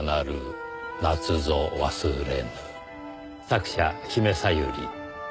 作者姫小百合。